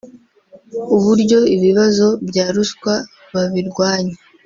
uburyo ibibazo bya ruswa babirwanya